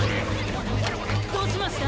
どうしました？